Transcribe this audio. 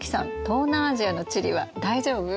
東南アジアの地理は大丈夫？